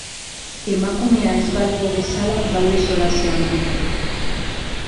Emakumea ez balego bezala daude solasean biak.